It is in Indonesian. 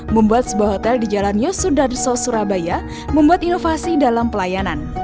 membuat sebuah hotel di jalan yosudarso surabaya membuat inovasi dalam pelayanan